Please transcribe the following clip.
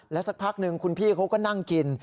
สักพักหนึ่งคุณพี่เขาก็นั่งกิน